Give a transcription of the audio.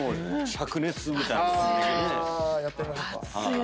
あやってみましょうか。